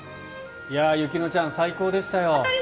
雪乃ちゃん最高でしたよ。